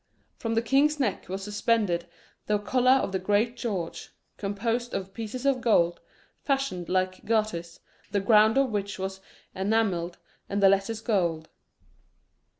From the king's neck was suspended the collar of the Great George, composed of pieces of gold, fashioned like garters, the ground of which was enamelled, and the letters gold.